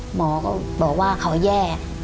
หมอก็บอกว่าเขาแย่